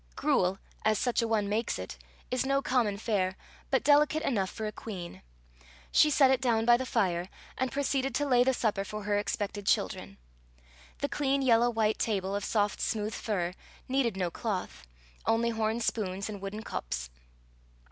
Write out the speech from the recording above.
Gruel, as such a one makes it, is no common fare, but delicate enough for a queen. She set it down by the fire, and proceeded to lay the supper for her expected children. The clean yellow white table of soft smooth fir needed no cloth only horn spoons and wooden caups.